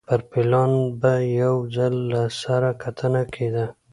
پر پلان به یو ځل له سره کتنه کېده